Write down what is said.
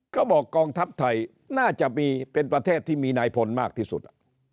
ก็บอกกองทัพไทยน่าจะมีเป็นประเทศที่มีนายพลมากที่สุด